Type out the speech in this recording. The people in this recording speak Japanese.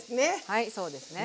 はいそうですね。